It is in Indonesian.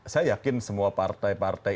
saya yakin semua partai partai